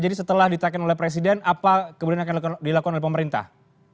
jadi setelah ditekan oleh presiden apa kemudian akan dilakukan oleh pemerintah